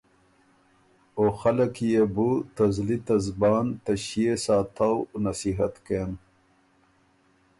او خلق کی يې بو ته زلی ته زبان ته ݭيې ساتؤ نصیحت کېم